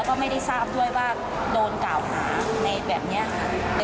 ก็ไม่ได้ทราบด้วยว่าโดนกล่าวพระพระ